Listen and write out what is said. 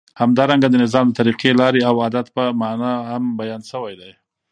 همدارنګه د نظام د طریقی، لاری او عادت په معنی هم بیان سوی دی.